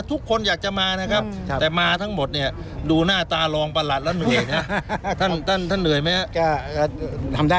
ทุกคนอยากจะมานะครับครับแต่มาทั้งหมดเนี่ยดูหน้าตารองประหลัด